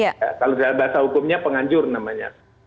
kalau dalam bahasa hukumnya penganjur namanya